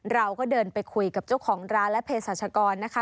เราก็เดินไปคุยกับเจ้าของร้านและเพศรัชกรนะคะ